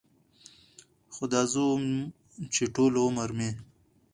خو دا زه وم چې ټول عمر مې